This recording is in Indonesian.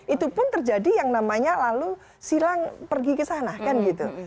itu pun terjadi yang namanya lalu silang pergi ke sana kan gitu